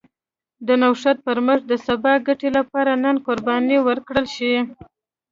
د نوښت پر مټ د سبا ګټې لپاره نن قرباني ورکړل شي.